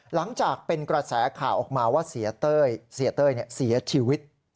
หลังจากเป็นกระแสข่ออกมาว่าเสียเต้ยเสียชีวิต